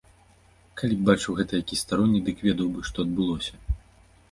Калі б бачыў гэта які старонні, дык ведаў бы, што адбылося.